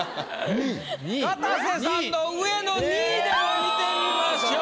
かたせさんの上の２位でも見てみましょう。